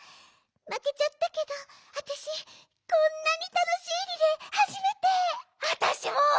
まけちゃったけどあたしこんなにたのしいリレーはじめて！あたしも！